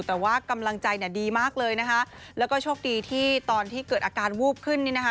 แต่ว่ากำลังใจเนี่ยดีมากเลยนะคะแล้วก็โชคดีที่ตอนที่เกิดอาการวูบขึ้นนี่นะคะ